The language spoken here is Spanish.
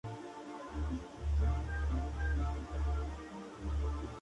Conocido por su amplia trayectoria en clubes de España.